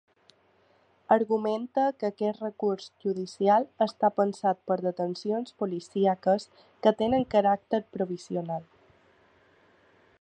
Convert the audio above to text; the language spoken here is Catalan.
Argumenta que aquest recurs judicial està pensat per detencions policíaques que tenen caràcter provisional.